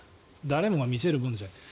誰もが見せるものじゃないと。